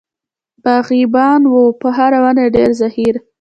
باغبان و په هرې ونې ډېر زهیر.